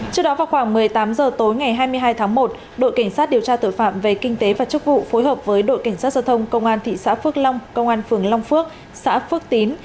trước đó vào khoảng một mươi tám h tối ngày hai mươi hai tháng một đội cảnh sát điều tra tội phạm về kinh tế và chức vụ phối hợp với đội cảnh sát giao thông công an thị xã phước long công an phường long phước xã phước tín